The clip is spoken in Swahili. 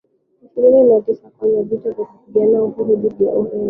ishirini na Tisa kwanza vita vya kupigania uhuru dhidi ya Ureno